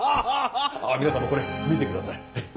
あっ皆さんもこれ見てください。